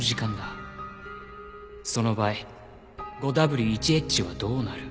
その場合５Ｗ１Ｈはどうなる？